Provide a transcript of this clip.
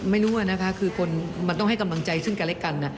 ไม่รู้อะนะคะคือคนมันต้องให้กำลังใจซึ่งกันและกันนะ